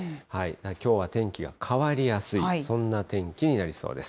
きょうは天気が変わりやすい、そんな天気になりそうです。